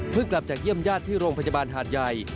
กลับจากเยี่ยมญาติที่โรงพยาบาลหาดใหญ่